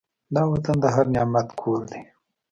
دا وطن د هر نعمت کور دی.